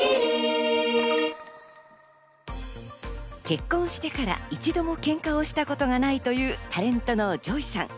結婚してから一度もケンカをしたことがないというタレントのＪＯＹさん。